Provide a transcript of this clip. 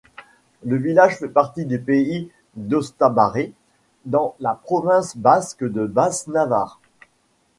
Le village fait partie du pays d'Ostabarret, dans la province basque de Basse-Navarre.